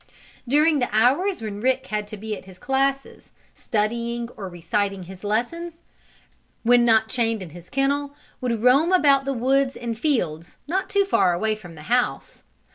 During the hours when Rick had to be at his classes, studying or reciting his lessons, Ruddy, when not chained in his kennel, would roam about the woods and fields, not too far away from the house.